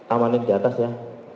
amanin diatas ya